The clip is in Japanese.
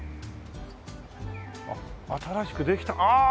あっ新しくできたああ！